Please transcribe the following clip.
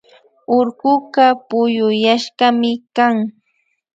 Urkuka puyuyashkami kan